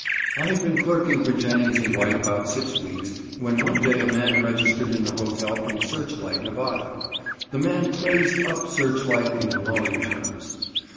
I had been clerking for Jennings & White about six weeks, when one day a man registered in the hotel from Searchlight, Nevada. The man praised up Searchlight in glowing terms.